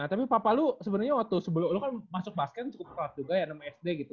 nah tapi papa lu sebenernya waktu sebelum lu kan masuk basket cukup kelas juga ya enam sd gitu